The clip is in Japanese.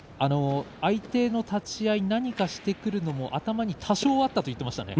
相手の立ち合い、何かをしてくるだろうというのは頭に多少あったと言ってますね。